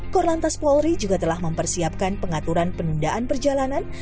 korlantas polri juga telah mempersiapkan pengaturan penundaan perjalanan